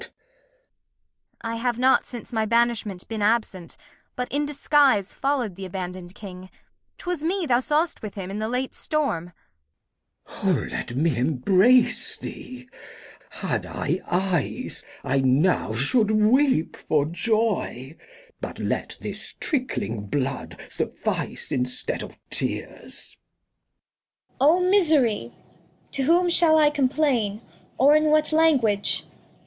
I have not since my Banishment been absent, But in Disguise follow' d th' abandon' d King : 'Twas me thou saw'st with him in the late Storm. 228 The History of [Act iv Glo&t. Let me embrace thee, had I Eyes, I now Should weep for Joy ; but let this trickling Blood Suffice instead of Tears. Cor A. O Misery! To whom shall I complain, or in what Language